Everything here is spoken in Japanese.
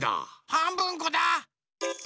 はんぶんこだ。